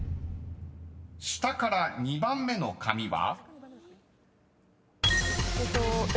［下から２番目の紙は？］